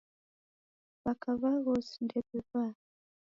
W'aka w'aghosi ndew'ivaa